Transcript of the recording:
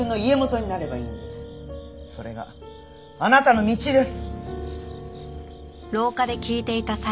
それがあなたの道です！